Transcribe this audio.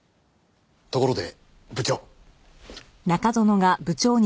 ところで部長。